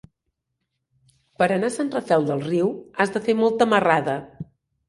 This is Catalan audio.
Per anar a Sant Rafel del Riu has de fer molta marrada.